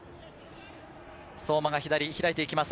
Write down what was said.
相馬が左に開いて行きます。